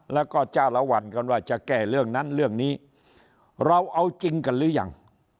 แล้วก็จ้าละวันกันว่าจะแก้เรื่องนั้นเรื่องนี้เราเอาจริงกันหรือยัง